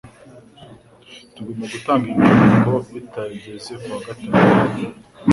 Tugomba gutanga inyandiko bitarenze kuwa gatatu.